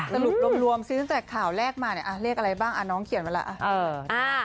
สมบัติลวมซื้อจากข่าวแรกมาเรียกอะไรบ้างอ้าน้องเขียนมาแล้ว